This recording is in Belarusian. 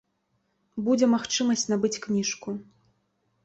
Будзе магчымасць набыць кніжку.